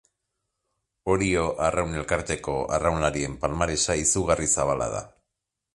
Orio Arraun Elkarteko arraunlarien palmaresa izugarri zabala da.